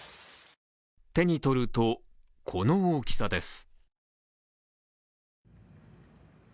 手に取ると、この大きさです。